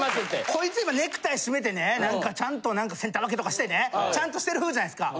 こいつ今ネクタイ締めてね何かちゃんとセンター分けとかしてねちゃんとしてる風じゃないですか。